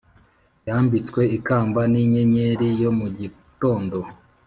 yambitswe ikamba n'inyenyeri yo mu gitondo.